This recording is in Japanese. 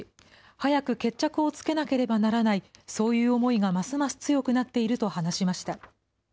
早く決着をつけなければならない、そういう思いがますます強くなっていると話しました。